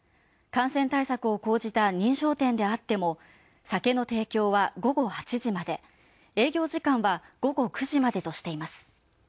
感染対策を講じた認証店であっても酒の提供は午後８時まで営業時間は午後９時までとしています。